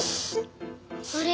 あれ？